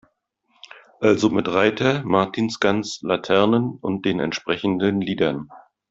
Also mit Reiter, Martinsgans, Laternen und den entsprechenden Liedern.